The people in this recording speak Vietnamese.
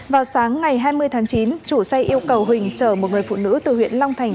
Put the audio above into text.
vào sáng ngày hai mươi tháng chín chủ xe yêu cầu huỳnh chở một người phụ nữ từ huyện long thành